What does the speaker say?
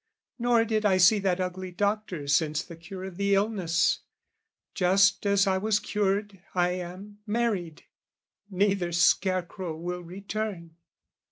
"Nor did I see that ugly doctor since "The cure of the illness: just as I was cured, "I am married, neither scarecrow will return."